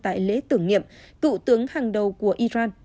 tại lễ tưởng niệm cựu tướng hàng đầu của iran